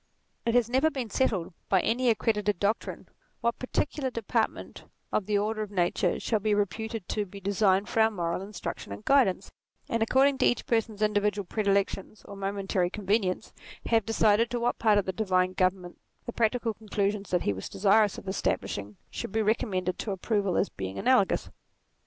It has never been settled by any accredited doctrine, what particular departments of the order of nature shall be reputed to be designed for our moral instruc tion and guidance ; and accordingly each person's individual predilections, or momentary convenience, have decided to what parts of the divine government NATURE 43 the practical conclusions that he was desirous of establishing, should be recommended to approval as being analogous.